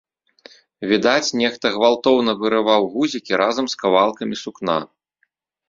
Відаць, нехта гвалтоўна вырываў гузікі разам з кавалкамі сукна.